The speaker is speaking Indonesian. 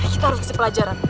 kita harus di pelajaran